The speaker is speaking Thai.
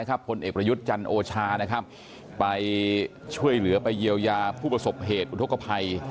ผลเอกประยุทธ์จันโอชาไปช่วยเหลือไปเยียวยาผู้ประสบเหตุอุทธกภัย